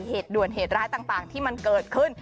เหตุด่วนเหตุร้ายต่างที่มันเกิดขึ้น